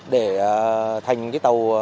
để thành tàu